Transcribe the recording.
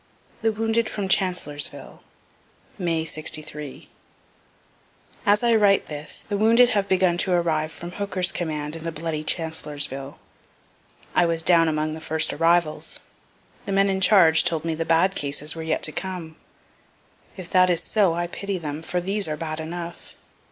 THE WOUNDED FROM CHANCELLORSVILLE May '63. As I write this, the wounded have begun to arrive from Hooker's command from bloody Chancellorsville. I was down among the first arrivals. The men in charge told me the bad cases were yet to come. If that is so I pity them, for these are bad enough.